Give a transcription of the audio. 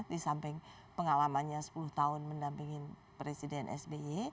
di samping pengalamannya sepuluh tahun mendampingi presiden sby